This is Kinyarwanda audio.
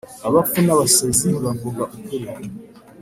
abapfu n'abasazi bavuga ukuri